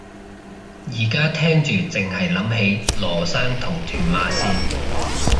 而家聽住剩係諗起羅生同屯馬綫